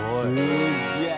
すっげえ！